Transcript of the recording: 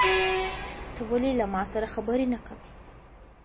ته ولې له ما سره خبرې نه کوې؟